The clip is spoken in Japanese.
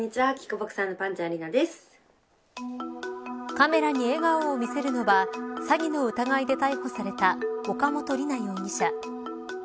カメラに笑顔を見せるのは詐欺の疑いで逮捕された岡本璃奈容疑者。